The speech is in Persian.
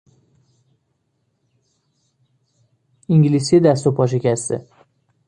انگلیسی دست و پا شکسته